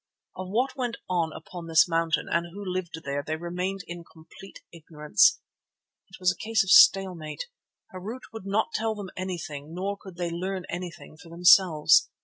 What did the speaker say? Of what went on upon this mountain and who lived there they remained in complete ignorance. It was a case of stalemate. Harût would not tell them anything nor could they learn anything for themselves.